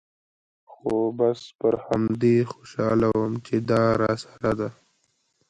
خو بس پر همدې خوشاله وم چې دا راسره ده.